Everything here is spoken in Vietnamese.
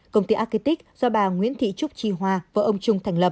công ty architect do bà nguyễn thị trúc trì hoa và ông trung thành lập